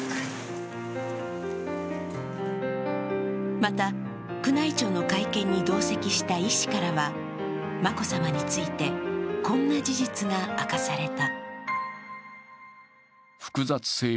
また宮内庁の会見に同席した医師からは眞子さまについて、こんな事実が明かされた。